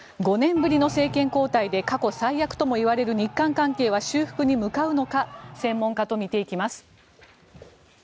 ５年ぶりの政権交代で過去最悪とも言われる日韓関係は修復に向かうのか専門家と見ていきます。